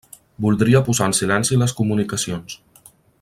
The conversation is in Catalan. Voldria posar en silenci les comunicacions.